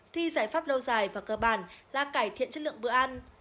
thì giải pháp lâu dài và cơ bản là cải thiện chất lượng bữa ăn